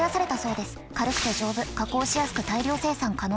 軽くて丈夫加工しやすく大量生産可能。